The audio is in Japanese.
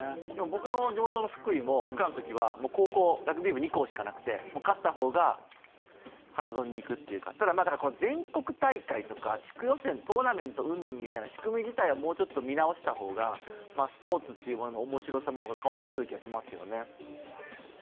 僕の地元の福井も、僕らのときは高校ラグビー部２校しかなくて勝った方が花園に行くというかただ、全国大会とか地区予選、トーナメントうんぬんという仕組み自体をもうちょっと見直しが方がスポーツの面白さも変わってくる気がしますけれどもね。